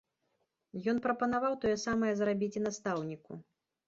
Ён прапанаваў тое самае зрабіць і настаўніку.